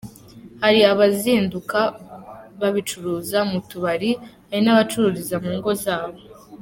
Hari abazinduka babicuruza mu tubari, hari n’abacururiza mu ngo zabo”.